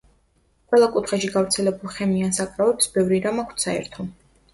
ყველა კუთხეში გავრცელებულ ხემიან საკრავებს ბევრი რამ აქვთ საერთო.